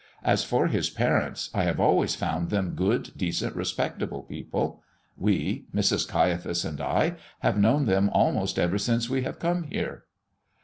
As for his parents, I have always found them good, decent, respectable people. We Mrs. Caiaphas and I have known them almost ever since we have come here."